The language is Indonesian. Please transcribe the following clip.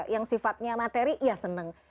yang sifatnya materi ya senang